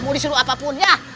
mau disuruh apapun ya